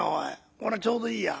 こりゃちょうどいいや。